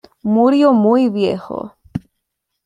Murió muy viejo.